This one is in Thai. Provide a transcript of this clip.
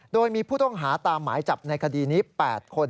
โดยมีผู้ต้องหาตามหมายจับในคดีนี้๘คน